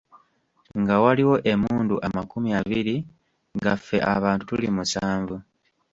Nga waliwo emmundu amakumi abiri nga ffe abantu tuli musanvu.